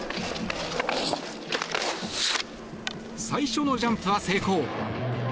最初のジャンプは成功。